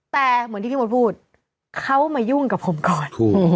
แต่เหมือนที่พี่มดพูดเขามายุ่งกับผมก่อน